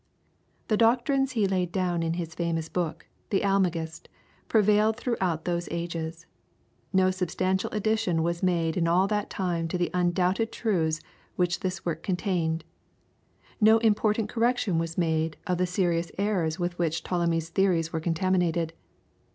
The doctrines he laid down in his famous book, "The Almagest," prevailed throughout those ages. No substantial addition was made in all that time to the undoubted truths which this work contained. No important correction was made of the serious errors with which Ptolemy's theories were contaminated.